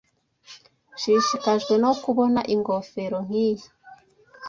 Nshishikajwe no kubona ingofero nkiyi.